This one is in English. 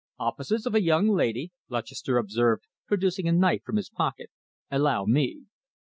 "Offices of a young lady," Lutchester observed, producing a knife from his pocket. "Allow me!"